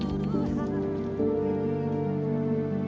pak jamu pak